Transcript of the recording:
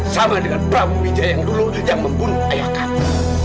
sama dengan prabu wijaya yang dulu yang membunuh ayah kamu